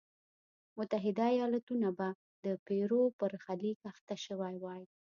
متحده ایالتونه به د پیرو برخلیک اخته شوی وای.